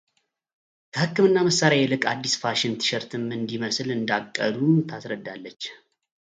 ከህክምና መሳሪያ ይልቅ አዲስ ፋሽን ቲሸርትም እንዲመስል እንዳቀዱም ታስረዳለች።